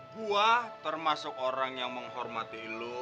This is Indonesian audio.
gua termasuk orang yang menghormati lu